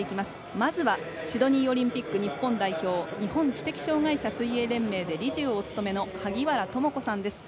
まずはシドニーオリンピック日本代表日本知的障害者水泳連盟で理事をお務めの萩原智子さんです。